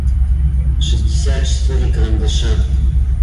шестьдесят четыре карандаша